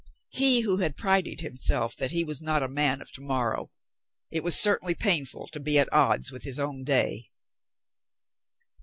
He who had prided himself that he was not a man of to morrow! It was certainly painful to be at odds with his own day.